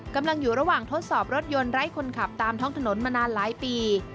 กำลังอยู่ระหว่างทดสอบรถยนต์ไร้คนขับตามท้องถนนมานานหลายปี